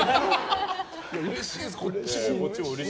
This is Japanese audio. うれしいです、こっちも。